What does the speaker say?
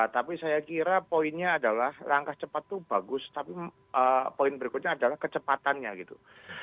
tapi saya kira poinnya adalah langkah cepat itu bagus tapi poin berikutnya adalah kecepatannya gitu